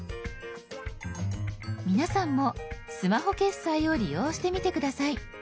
皆さんもスマホ決済を利用してみて下さい。